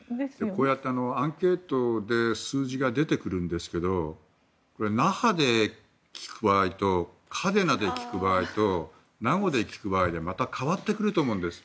こうやってアンケートで数字が出てくるんですけど那覇で聞く場合と嘉手納で聞く場合と名護で聞く場合ではまた変わってくると思うんです。